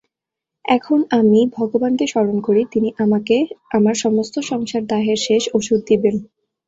এখন আমি ভগবানকে স্মরণ করি–তিনি আমাকে আমার সমস্ত সংসারদাহের শেষ ওষুধ দিবেন।